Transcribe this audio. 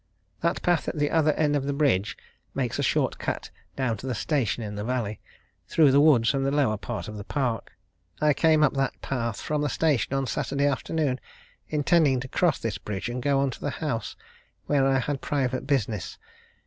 That path at the other end of the bridge makes a short cut down to the station in the valley through the woods and the lower part of the park. I came up that path, from the station, on Saturday afternoon, intending to cross this bridge and go on to the house, where I had private business.